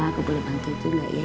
aku boleh bantu itu lah ya